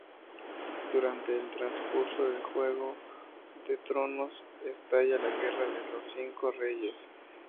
Durante el transcurso de "Juego de tronos" estalla la Guerra de los Cinco Reyes.